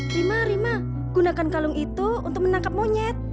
rima rima gunakan kalung itu untuk menangkap monyet